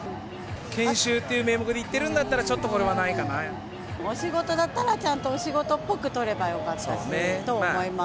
研修っていう名目で行ってるんだったら、ちょっとこれはないお仕事だったら、ちゃんとお仕事っぽく撮ったらいいなと思います。